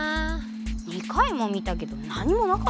２回も見たけど何もなかったじゃん。